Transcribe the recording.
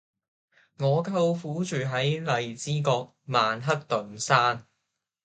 我舅父住喺荔枝角曼克頓山